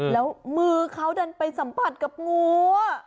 แล้วมือเขาดันไปสัมผัสกับงู